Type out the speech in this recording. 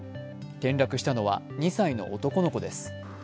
転落したのは２歳の男の子です。